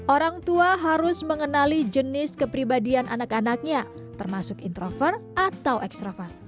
orang tua harus mengenali jenis kepribadian anak anaknya termasuk introver atau extrover